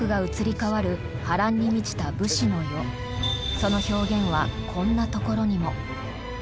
その表現はこんなところにも。